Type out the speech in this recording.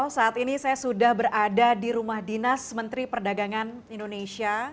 saat ini saya sudah berada di rumah dinas menteri perdagangan indonesia